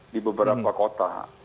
di beberapa kota